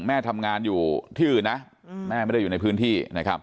แม่ทำงานอยู่ที่อื่นนะแม่ไม่ได้อยู่ในพื้นที่นะครับ